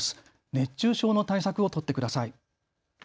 熱中症の対策を取ってください。